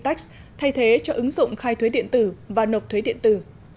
thay thế cho ứng dụng khai thuế điện tử và nộp thuế điện tử